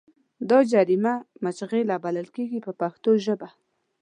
دا جریمه مچلغه بلل کېږي په پښتو ژبه.